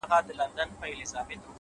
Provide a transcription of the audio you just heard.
تکرار مهارت ته ژوند ورکوي؛